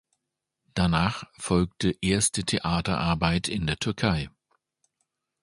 Danach folgte erste Theaterarbeit in der Türkei.